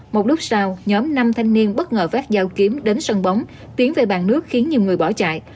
một lúc sau nhóm năm thanh niên bất ngờ vách dao kiếm đến sân bóng tiến về bàn nước khiến nhiều người bỏ chạy